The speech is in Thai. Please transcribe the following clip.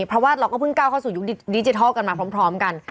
เพราะว่าเราก็เพิ่งก้าวเข้าสู่ยุคดิจิทัลกันมาพร้อมกัน